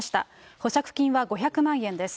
保釈金は５００万円です。